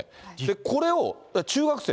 これを中学生？